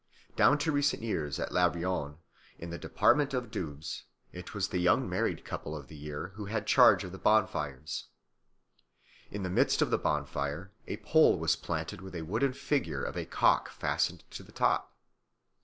Down to recent years at Laviron, in the department of Doubs, it was the young married couples of the year who had charge of the bonfires. In the midst of the bonfire a pole was planted with a wooden figure of a cock fastened to the top.